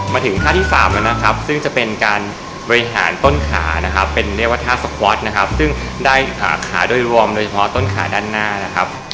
มาถึงท่าที่๓แล้วนะครับซึ่งจะเป็นการบริหารต้นขานะครับเป็นเรียกว่าท่าสควอตนะครับซึ่งได้ขาโดยรวมโดยเฉพาะต้นขาด้านหน้านะครับ